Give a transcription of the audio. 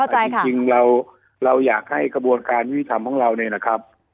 จริงท่านอยากให้กระบวนการมิจริตภัณฑ์ของเรา